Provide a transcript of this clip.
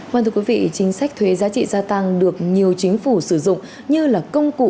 vâng thưa quý vị chính sách thuế giá trị gia tăng được nhiều chính phủ sử dụng như là công cụ